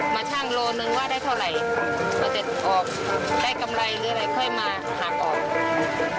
ช่างโลนึงว่าได้เท่าไหร่ก็จะออกได้กำไรหรืออะไรค่อยมาหาออก